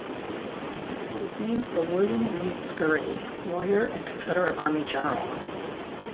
It was named for William Read Scurry, lawyer and Confederate Army general.